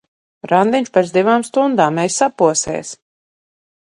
Randiņš pēc divām stundām, ej saposies!